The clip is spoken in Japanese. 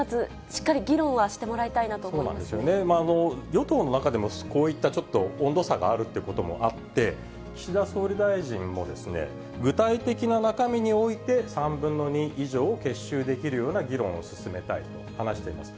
与党の中でもこういったちょっと温度差があるということもあって、岸田総理大臣も、具体的な中身において３分の２以上を結集できるような議論を進めたいと話しています。